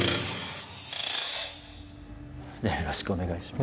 よろしくお願いします。